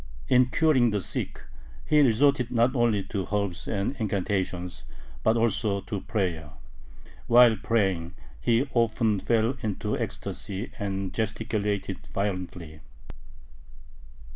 In curing the sick, he resorted not only to herbs and incantations, but also to prayer. While praying, he often fell into ecstasy and gesticulated violently.